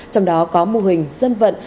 trong đó có mô hình dân vận